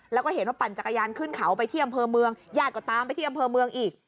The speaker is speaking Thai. แล้วก็เห็นว่าปั่นจักรยานขึ้นเขาไปที่อำเภอเมืองญาติก็ตามไปที่อำเภอเมืองอีก